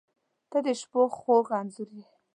• ته د شپو خوږ انځور یې.